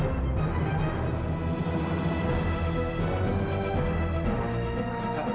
imut dzadirok sendiri ya